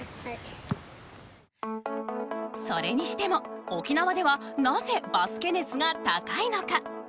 それにしても沖縄ではなぜバスケ熱が高いのか？